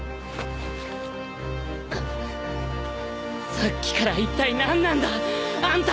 さっきからいったい何なんだあんたは！